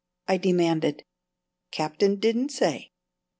I demanded. "Captain didn't say."